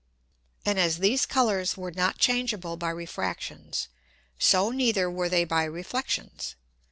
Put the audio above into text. And as these Colours were not changeable by Refractions, so neither were they by Reflexions.